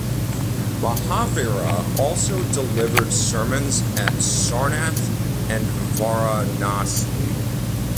Mahavira also delivered sermons at Sarnath and Varanasi.